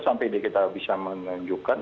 sampai kita bisa menunjukkan